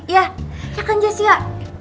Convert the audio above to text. ya ya kan jess ya